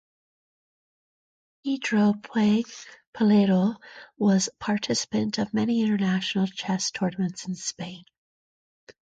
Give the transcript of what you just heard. Pedro Puig Pulido was participant of many international chess tournaments in Spain.